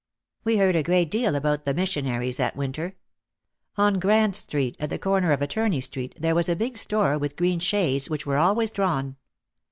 We heard a great deal about the missionaries that winter. On Grand Street, at the corner of Attorney Street, there was a big store with green shades which were always drawn.